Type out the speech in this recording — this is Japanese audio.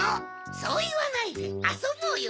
そういわないであそぼうよ